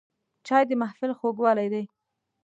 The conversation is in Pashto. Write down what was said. چای د محفل خوږوالی دی